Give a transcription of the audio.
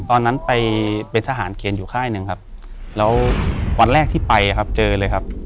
ตอนนั้นไปเป็นทหารเกณฑ์อยู่ค่ายหนึ่งครับแล้ววันแรกที่ไปครับเจอเลยครับ